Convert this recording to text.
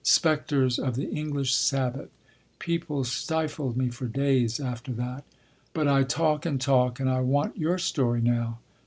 Spectres of the English Sabbath. People stifled me for days after that.... But I talk and talk and I want your story now.